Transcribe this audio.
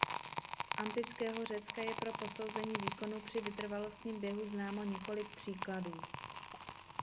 Z antického Řecka je pro posouzení výkonů při vytrvalostním běhu známo několik příkladů.